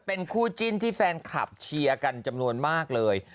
เป็นคู่จิ้นที่แฟนคลับเชียร์กันจำนวนมากเลย